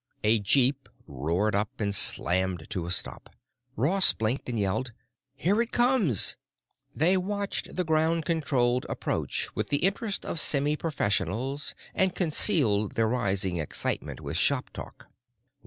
A jeep roared up and slammed to a stop; Ross blinked and yelled: "Here it comes!" They watched the ground controlled approach with the interest of semiprofessionals and concealed their rising excitement with shop talk.